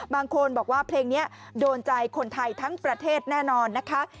บางคนบอกว่าเพลงนี้โดนใจคนไทยทั้งประเทศแน่นอนนะคะ